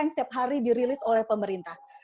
yang setiap hari dirilis oleh pemerintah